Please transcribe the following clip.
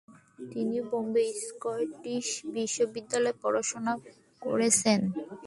তিনি বোম্বে স্কটিশ বিদ্যালয়ে পড়াশোনা করেছেন।